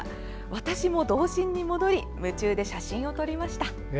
私も童心に戻り夢中で写真を撮りました。